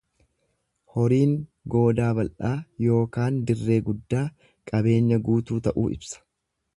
Horiin goodaa bal'aa ykn dirree guddaa qabeenya guutuu ta'uu ibsa.